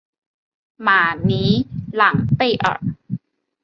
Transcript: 马尼朗贝尔。